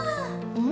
うん？